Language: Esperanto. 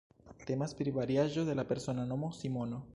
Temas pri variaĵo de la persona nomo Simono.